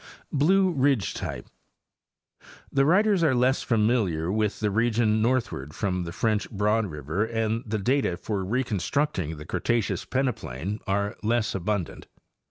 Blue Ridge Type.—The writers are less familiar with the region northward from the French Broad river and the data for recon structing the Cretaceous peneplain are less abundant.